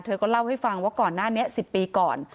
ก็เล่าให้ฟังว่าก่อนหน้านี้๑๐ปีก่อน